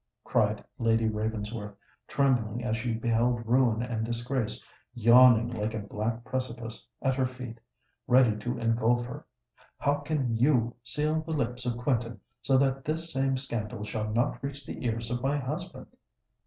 cried Lady Ravensworth, trembling as she beheld ruin and disgrace yawning like a black precipice at her feet, ready to engulph her: "how can you seal the lips of Quentin, so that this same scandal shall not reach the ears of my husband?"